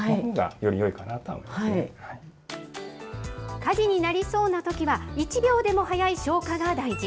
火事になりそうなときは、１秒でも早い消火が大事。